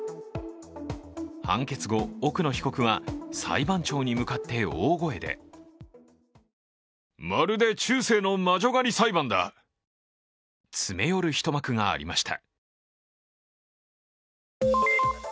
判決後、奥野被告は裁判長に向かって大声で詰め寄る一幕がありました。